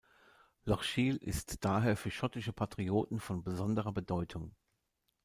Loch Shiel ist daher für schottische Patrioten von besonderer Bedeutung.